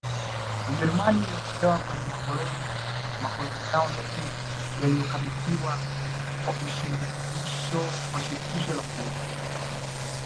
Ujerumani iliondolewa kwenye makoloni yao yote yaliyokabidhiwa kwa shirikisho la mataifa